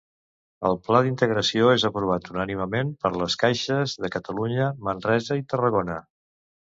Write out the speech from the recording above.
El pla d'integració és aprovat unànimement per les caixes de Catalunya, Manresa i Tarragona.